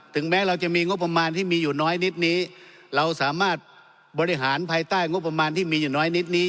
แม้เราจะมีงบประมาณที่มีอยู่น้อยนิดนี้เราสามารถบริหารภายใต้งบประมาณที่มีอยู่น้อยนิดนี้